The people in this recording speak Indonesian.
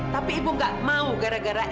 tapi ibu nggak mau gara gara ini